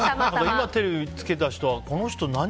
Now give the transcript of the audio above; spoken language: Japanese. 今、テレビをつけた人はこの人、何？